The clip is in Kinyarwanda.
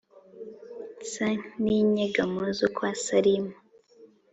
nsa n’inyegamo zo kwa Salima.